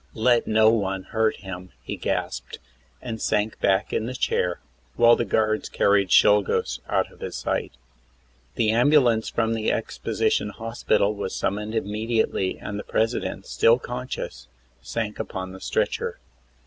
"Let no one hurt him," he gasped, and sank back in the chair, while the guards carried Czolgosz out of his sight. The ambulance from the exposition hospital was summoned immediately and the President, still conscious, sank upon the stretcher.